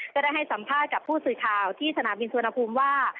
ได้ให้สัมภาษณ์กับผู้สื่อข่าวที่สนามบินสุวรรณภูมิว่า